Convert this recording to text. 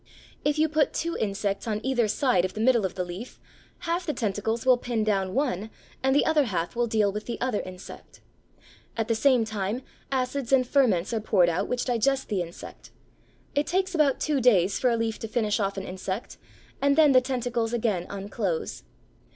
If you put two insects on either side of the middle of the leaf, half the tentacles will pin down one and the other half will deal with the other insect. At the same time acids and ferments are poured out which digest the insect. It takes about two days for a leaf to finish off an insect, and then the tentacles again unclose.